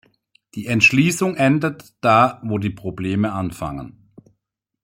Die Entschließung endet da, wo die Probleme anfangen.